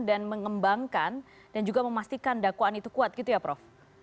dan mengembangkan dan juga memastikan dakwaan itu kuat gitu ya prof